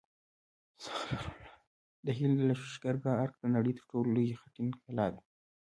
د هلمند د لښکرګاه ارک د نړۍ تر ټولو لوی خټین کلا ده